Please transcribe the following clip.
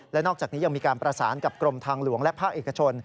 และนอกจากนี้ยังมีการประสานกับกรมทางหลวงและภาคเอกชน